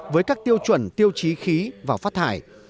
với các tiêu chuẩn tiêu chí khí và phát thải